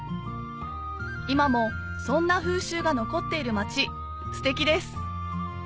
今もそんな風習が残っている町ステキです